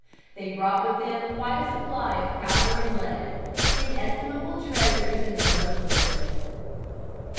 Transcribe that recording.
They brought with them quite a supply of powder and lead; inestimable treasures in the remote wilderness.